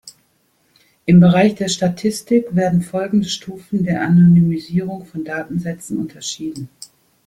Im Bereich der Statistik werden folgende Stufen der "Anonymisierung" von Datensätzen unterschieden